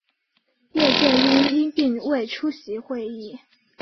叶剑英因病未出席会议。